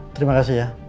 terima kasih ya